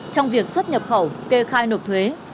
trong việc xuất nhập khẩu kê khai nộp thuế